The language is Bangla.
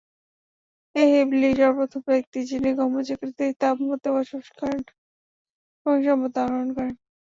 এ ইবিলই সর্বপ্রথম ব্যক্তি যিনি গম্বুজাকৃতির তাঁবুতে বসবাস করেন এবং সম্পদ আহরণ করেন।